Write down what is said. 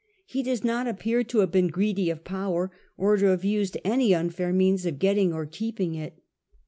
He does not appear to have been greedy of power, or to have used any unfair means of getting or keeping it.